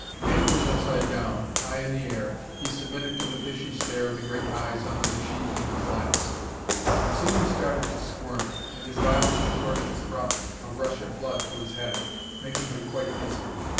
Dangling upside down, high in the air, he submitted to the fishy stare of the great eyes under the sheathing of glass. But soon he started to squirm, and his violent contortions brought a rush of blood to his head, making him quite dizzy.